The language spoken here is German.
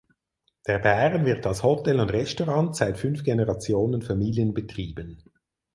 Der Bären wird als Hotel und Restaurant seit fünf Generationen familienbetrieben.